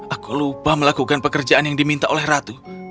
aku lupa melakukan pekerjaan yang diminta oleh ratu